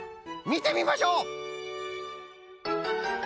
みてみましょう！